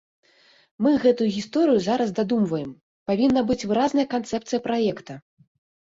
Мы гэтую гісторыю зараз дадумваем, павінна быць выразная канцэпцыя праекта.